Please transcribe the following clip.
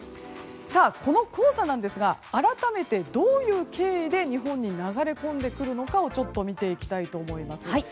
この黄砂、改めてどういう経緯で日本に流れ込んでくるのかを見ていきたいと思います。